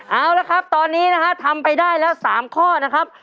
เอาละครับตอนนี้นะฮะทำไปได้แล้ว๓ข้อนะครับ